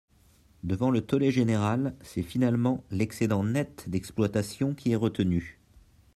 Devant le tollé général, c’est finalement l’excédent net d’exploitation qui est retenu.